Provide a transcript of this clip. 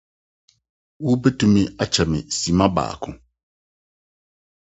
Wobɛtumi akyɛ me simma baako?